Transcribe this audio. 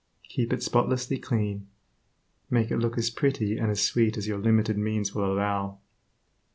Keep it spotlessly clean. Make it look as pretty and sweet as your limited means will allow.